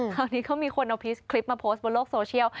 คราวนี้เขามีคนเอาคลิปมาโพสต์บนโลกโซเชียล